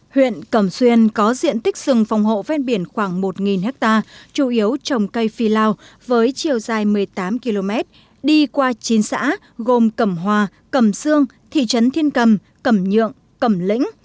huyện cầm xuyên có diện tích dừng phòng hộ ven biển khoảng một ha chủ yếu trồng cây phi lao với chiều dài một mươi tám km đi qua chín xã gồm cầm hòa cầm xương thị trấn thiên cầm cầm nhượng cầm lĩnh